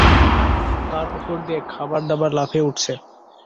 তার উপর দিয়ে খাবার দাবার লাফিয়ে উঠছে।